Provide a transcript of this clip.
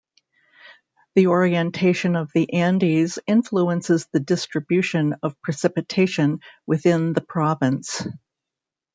The orientation of the Andes influences the distribution of precipitation within the province.